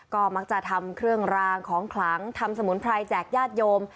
ก็มักจะทำเครื่องรางของขลังทำสมุนไพรแจกญาติโยม